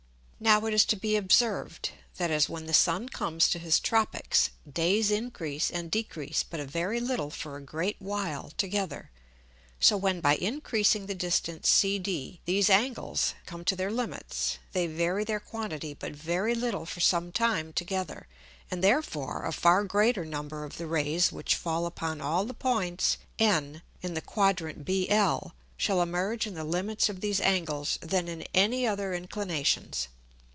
[M] Now it is to be observed, that as when the Sun comes to his Tropicks, Days increase and decrease but a very little for a great while together; so when by increasing the distance CD, these Angles come to their Limits, they vary their quantity but very little for some time together, and therefore a far greater number of the Rays which fall upon all the Points N in the Quadrant BL, shall emerge in the Limits of these Angles, than in any other Inclinations.